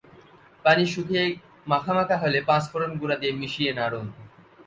পানি শুকিয়ে মাখা মাখা হলে পাঁচফোড়ন গুঁড়া দিয়ে মিশিয়ে নাড়ুন।